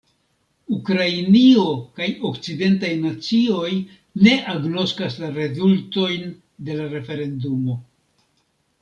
Ukrainio kaj okcidentaj nacioj ne agnoskas la rezultojn de la referendumo.